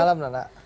selamat malam nana